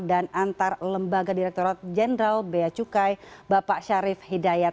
dan antar lembaga direkturat jenderal bea cukai bapak syarif hidayat